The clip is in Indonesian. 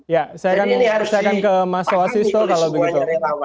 ya saya akan ke mas wasisto kalau begitu